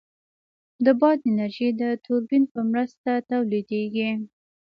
د باد انرژي د توربین په مرسته تولیدېږي.